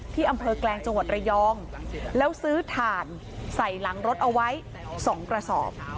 อำเภอแกลงจังหวัดระยองแล้วซื้อถ่านใส่หลังรถเอาไว้๒กระสอบ